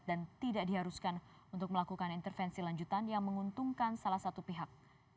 dan tidak diharuskan untuk melakukan intervensi lanjutan yang menguntungkan salah satu pihak